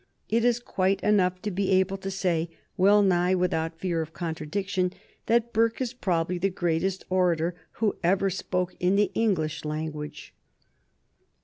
It is quite enough to be able to say well nigh without fear of contradiction that Burke is probably the greatest orator who ever spoke in the English language.